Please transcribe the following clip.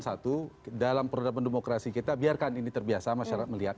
satu dalam peradaban demokrasi kita biarkan ini terbiasa masyarakat melihat